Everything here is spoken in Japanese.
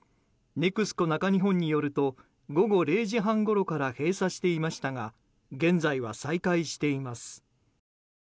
ＮＥＸＣＯ中日本によると午後０時半ごろから閉鎖していましたが現在は再開しています。